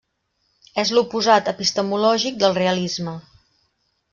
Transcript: És l'oposat epistemològic del realisme.